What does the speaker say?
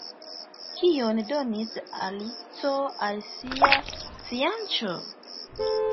Kion donis Alico al sia fianĉo?